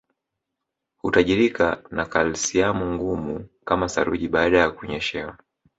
Hutajirika na kalsiamu ngumu kama saruji baada ya kunyeshewa